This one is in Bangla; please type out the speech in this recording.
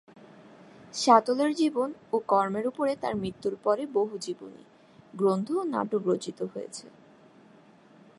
শাতলে-র জীবন ও কর্মের উপরে তাঁর মৃত্যুর পরে বহু জীবনী, গ্রন্থ ও নাটক রচিত হয়েছে।